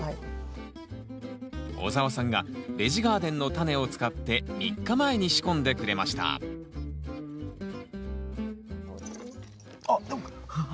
オザワさんがベジガーデンのタネを使って３日前に仕込んでくれましたあっ！